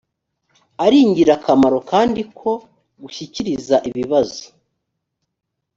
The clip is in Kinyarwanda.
ari ingirakamaro kandi ko gushyikiriza ibibazo